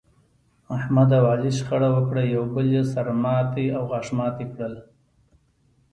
احمد او علي شخړه وکړه، یو بل یې سر ماتی او غاښ ماتی کړل.